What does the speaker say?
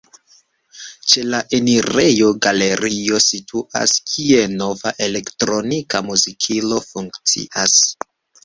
Ĉe la enirejo galerio situas, kie nova elektronika muzikilo funkcias.